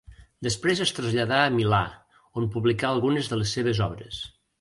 Després es traslladà a Milà, on publicà algunes de les seves obres.